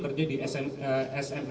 karena mereka bawah sajam